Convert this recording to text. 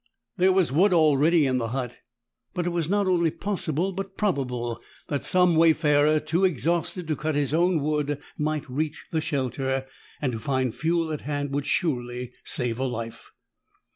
There was wood already in the hut. But it was not only possible but probable that some wayfarer too exhausted to cut his own wood might reach the shelter, and to find fuel at hand would surely save a life.